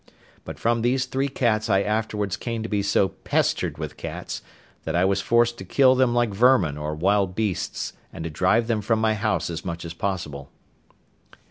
But from these three cats I afterwards came to be so pestered with cats that I was forced to kill them like vermin or wild beasts, and to drive them from my house as much as possible.